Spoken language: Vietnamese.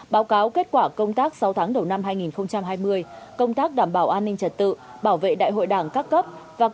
báo cáo kết quả công tác sáu tháng đầu năm hai nghìn hai mươi công tác đảm bảo an ninh trật tự bảo vệ đại hội đảng các cấp